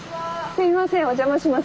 すいませんお邪魔します。